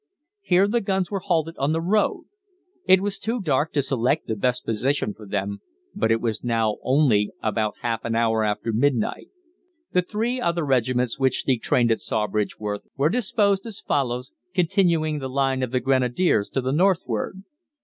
Here the guns were halted on the road. It was too dark to select the best position for them, for it was now only about half an hour after midnight. The three other regiments which detrained at Sawbridgeworth were disposed as follows, continuing the line of the Grenadiers to the northward.